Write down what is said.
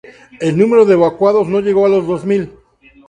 El número de evacuados no llegó a los dos mil.